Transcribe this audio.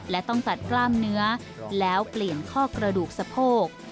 และต้องตัดกล้ามเนื้อแล้วเปลี่ยนข้อกระดูกสะโพก